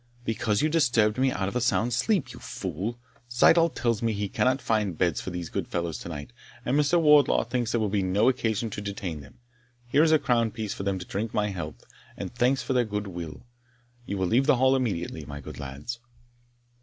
"Because you disturbed me out of a sound sleep, you fool. Syddall tells me he cannot find beds for these good fellows tonight, and Mr. Wardlaw thinks there will be no occasion to detain them. Here is a crown piece for them to drink my health, and thanks for their good will. You will leave the Hall immediately, my good lads."